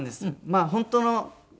まあ本当の。